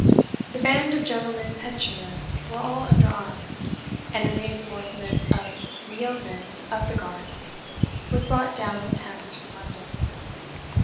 The band of Gentlemen Pensioners were all under arms, and a reinforcement of the yeomen of the guard was brought down the Thames from London.